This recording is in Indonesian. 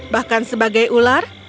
bahkan sebagai ular